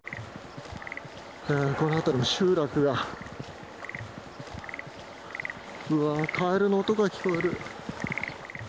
この辺りに集落が、うわぁ、カエルの音が聞こえる。